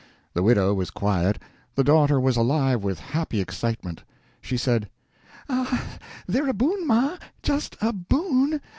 The widow was quiet, the daughter was alive with happy excitement. She said: "Ah, they're a boon, ma, just a boon!